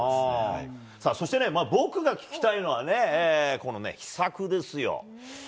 そして僕が聞きたいのはね、このね、秘策ですよ。